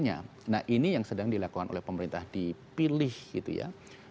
nah ini yang sedang dilakukan oleh pemerintah dipilih gitu ya